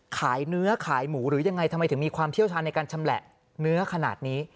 ขายเนื้อขายหมูหรือยังไงทำไมถึงมีความเชี่ยวชาญในการชำแหละเนื้อขนาดนี้